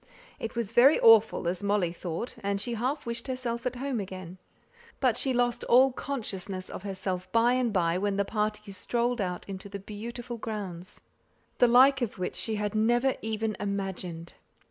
It was very awful, as Molly thought, and she half wished herself at home again. But she lost all consciousness of herself by and by when the party strolled out into the beautiful grounds, the like of which she had never even imagined.